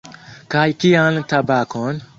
Kaj kian tabakon?